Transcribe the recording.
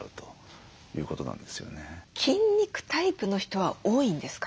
筋肉タイプの人は多いんですか？